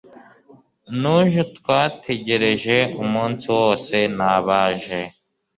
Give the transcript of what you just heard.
nujo twategereje umunsi wose ntabaje